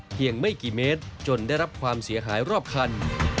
ไม่กี่เมตรจนได้รับความเสียหายรอบคัน